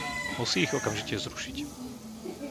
Musí ich okamžite zrušiť.